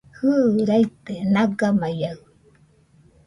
Jɨ, raite nagamaiaɨ